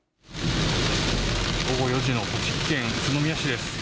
午後４時の栃木県宇都宮市です。